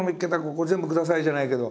ここ全部ください！じゃないけど。